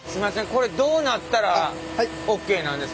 これどうなったらオーケーなんですか？